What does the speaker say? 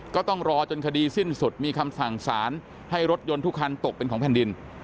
ก็ต้องรอจนคดีสิ้นสุดมีคำสั่งสารให้รถยนต์ทุกคันตกเป็นของแผ่นดิน